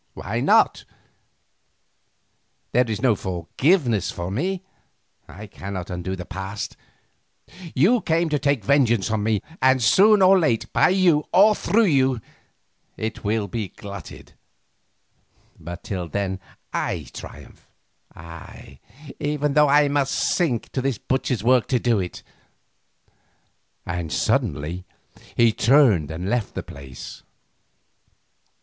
Why not? There is no forgiveness for me, I cannot undo the past. You came to take vengeance on me, and soon or late by you, or through you, it will be glutted, but till then I triumph, ay, even when I must sink to this butcher's work to do it," and suddenly he turned and left the place.